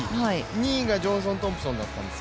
２位がジョンソン・トンプソンだったんです。